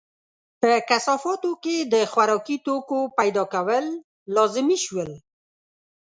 په کثافاتو کې د خوراکي توکو پیدا کول لازمي شول.